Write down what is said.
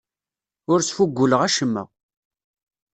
Ur sfuguleɣ acemma.